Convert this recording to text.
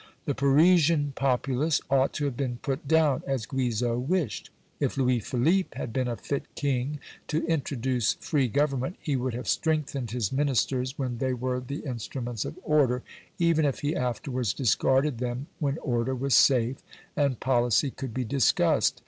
The Parisian populace ought to have been put down, as Guizot wished. If Louis Philippe had been a fit king to introduce free government, he would have strengthened his Ministers when they were the instruments of order, even if he afterwards discarded them when order was safe, and policy could be discussed.